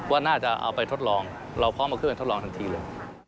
ว่าน่าจะเอาไปทดลองเราพร้อมเอาเครื่องทดลองทันทีเลย